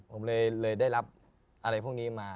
ผมเลยได้รับอะไรพวกนี้มา